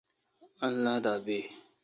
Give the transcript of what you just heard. اللہ دا بی۔